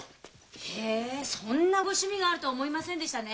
へぇそんなご趣味があるとは思いませんでしたね。